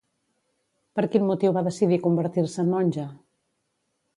Per quin motiu va decidir convertir-se en monja?